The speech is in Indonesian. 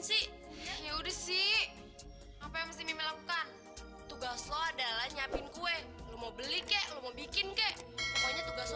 sih ya udah sih apa yang mesti lakukan tugas lo adalah nyiapin kue mau beli kek mau bikin kek